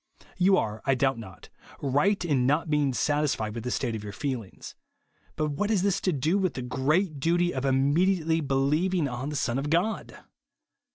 You are, I doubt not, ris^ht in not beins^ satisfied with the state of your feelings ; but what has this to do with the great duty of immediately believing on the Son of God